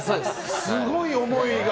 すごい思いが。